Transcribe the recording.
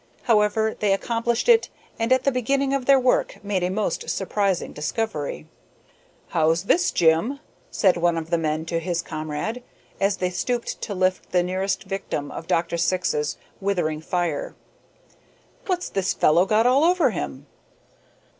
However, they accomplished it, and at the beginning of their work made a most surprising discovery. "How's this, Jim?" said one of the men to his comrade, as they stooped to lift the nearest victim of Dr. Syx's withering fire. "What's this fellow got all over him?"